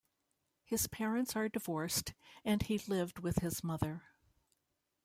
His parents are divorced, and he lived with his mother.